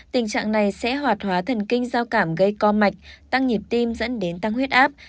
tình trạng này sẽ hoạt hóa thần kinh giao cảm gây co mạch tăng nhịp tim dẫn đến tăng huyết áp